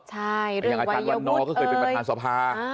ใช่เรื่องวัยยะวุฒิอย่างอาจารย์วันนอลก็เคยเป็นประธานสภา